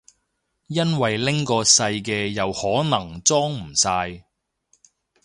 因為拎個細嘅又可能裝唔晒